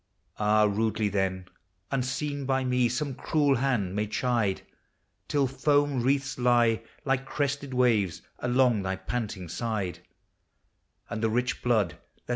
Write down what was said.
Ah ! rudely then, unseen by me, some cruel hand may chide, Till foam wreaths lie, like crested waves, along thy panting side : And the rich blood that